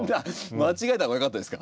間違えた方がよかったですか？